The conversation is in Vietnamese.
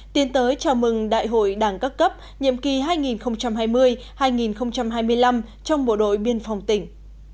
tiến tới chào mừng đại hội đảng các cấp nhiệm kỳ hai nghìn hai mươi hai nghìn hai mươi năm trong bộ đội biên phòng tỉnh